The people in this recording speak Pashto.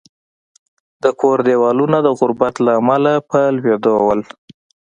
د کور دېوالونه د غربت له امله په لوېدو وو